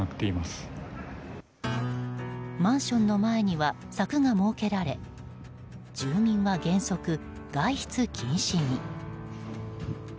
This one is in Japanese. マンションの前には柵が設けられ住民は原則、外出禁止に。